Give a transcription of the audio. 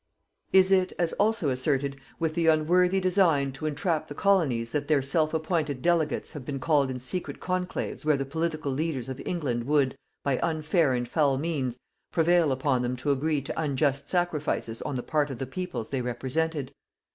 Is it, as also asserted, with the unworthy design to entrap the Colonies that their self appointed delegates have been called in secret conclaves where the political leaders of England would, by unfair and foul means, prevail upon them to agree to unjust sacrifices on the part of the peoples they represented?